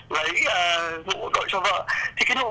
lấy mũ đội cho vợ